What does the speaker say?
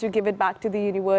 dan memberi kembali ke dunia